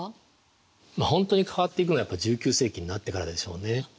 本当に変わっていくのはやっぱ１９世紀になってからでしょうね。